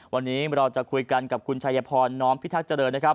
วันนี้เราจะคุยกันกับคุณชายพรน้อมพิทักษ์เจริญนะครับ